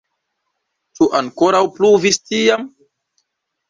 Ĉu ankoraŭ pluvis tiam?